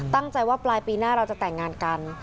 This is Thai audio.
ตั้งใจว่าปลายปีหน้าเราจะแต่งงานกัน